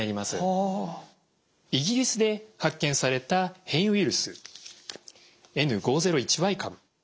イギリスで発見された変異ウイルスＮ５０１Ｙ株。